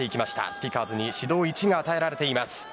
スピカーズに指導１が与えられています。